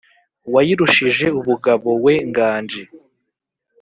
wayirushije ubugabo we nganji,